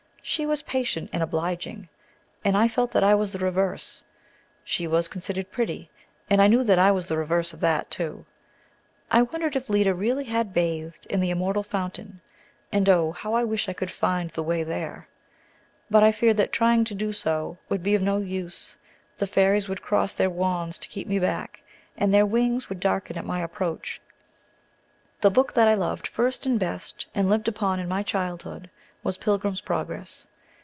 She was patient and obliging, and I felt that I was the reverse. She was considered pretty, and I knew that I was the reverse of that, too. I wondered if Lida really had bathed in the Immortal Fountain, and oh, how I wished I could find the way there! But I feared that trying to do so would be of no use; the fairies would cross their wands to keep me back, and their wings would darken at my approach. The book that I loved first and best, and lived upon in my childhood, was "Pilgrim's Progress."